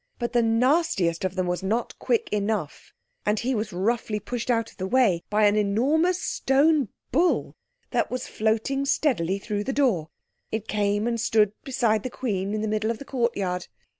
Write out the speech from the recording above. But the nastiest of them was not quick enough, and he was roughly pushed out of the way by an enormous stone bull that was floating steadily through the door. It came and stood beside the Queen in the middle of the courtyard.